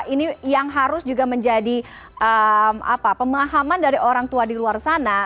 ini yang harus juga menjadi pemahaman dari orang tua di luar sana